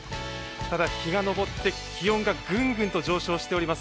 ただ、日が昇って、気温がぐんぐんと上昇しております。